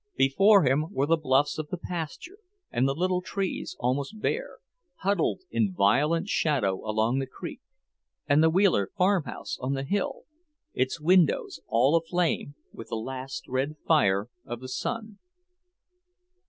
Before him were the bluffs of the pasture, and the little trees, almost bare, huddled in violet shadow along the creek, and the Wheeler farm house on the hill, its windows all aflame with the last red fire of the sun.